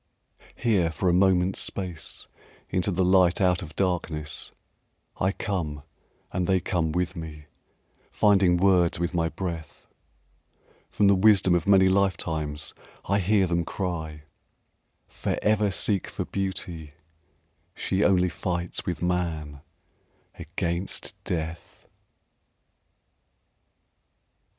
Here for a moment's space Into the light out of darkness, I come and they come with me Finding words with my breath; From the wisdom of many life times I hear them cry: "Forever Seek for Beauty, she only Fights with man against Death!"